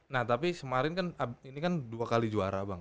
nah tapi kemarin kan ini kan dua kali juara bang